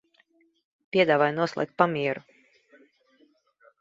Piedāvāju noslēgt pamieru.